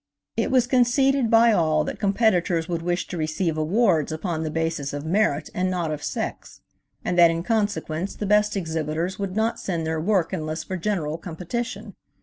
It was conceded by all that competitors would wish to receive awards upon the basis of merit and not of sex, and that in consequence the best exhibitors would not send their work unless for general competition.